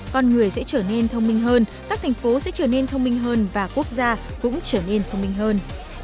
con người sẽ trở nên thông minh hơn các thành phố sẽ trở nên thông minh hơn và quốc gia cũng trở nên thông minh hơn